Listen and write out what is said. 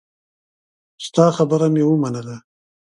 ستا خبره مې ومنله.